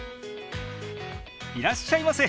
いらっしゃいませ！